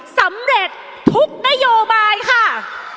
สำเร็จทุกนโยบายค่ะ